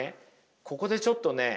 ここでちょっとね